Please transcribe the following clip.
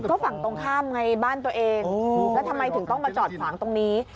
ก็ฝั่งตรงข้ามไงบ้านตัวเองแล้วทำไมถึงต้องมาจอดขวางตรงนี้